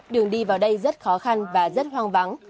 đường đi vào đây rất khó khăn và rất hoang vắng